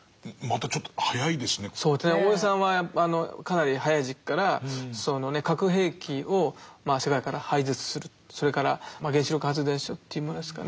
大江さんはかなり早い時期から核兵器を世界から廃絶するそれから原子力発電所っていうものですかね